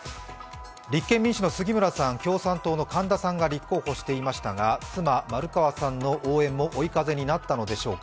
立憲民主の杉村さん、共産党の神田さんが立候補していましたが妻・丸川さんの応援も追い風になったのでしょうか。